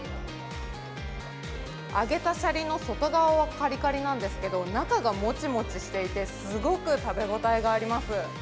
揚げたシャリの外側はかりかりなんですけど、中がもちもちしていて、すごく食べ応えがあります。